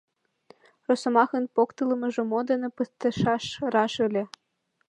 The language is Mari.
Росомахын поктылмыжо мо дене пытышаш, раш ыле.